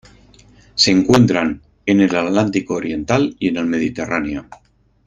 Se encuentran en el Atlántico oriental y en el Mediterráneo.